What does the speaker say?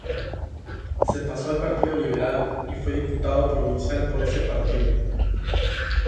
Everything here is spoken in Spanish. Se pasó al Partido Liberal y fue diputado provincial por ese partido.